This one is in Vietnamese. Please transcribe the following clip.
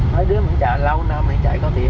mấy đứa mình chạy lâu năm thì chạy có tiền